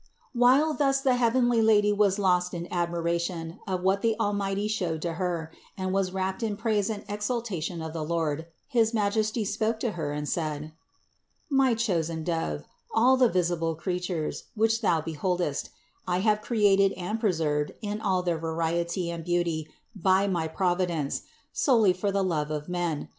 102. While thus the heavenly Lady was lost in ad miration of what the Almighty showed to Her, and was wrapped in praise and exaltation of the Lord, his Ma jesty spoke to Her and said : "My chosen Dove, all the visible creatures, which thou beholdest, I have created and preserved in all their variety and beauty by my Providence, solely for the love of men.